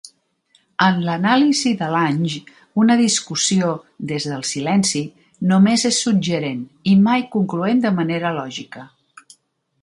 En l'anàlisi de Lange, una discussió des del silenci només és suggerent i mai concloent de manera lògica.